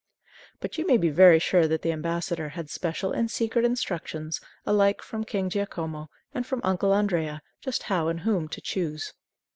But you may be very sure that the ambassador had special and secret instructions alike from King Giacomo and from Uncle Andrea just how and whom to choose.